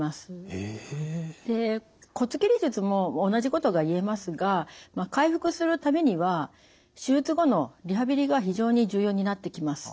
へえ！で骨切り術も同じことが言えますが回復するためには手術後のリハビリが非常に重要になってきます。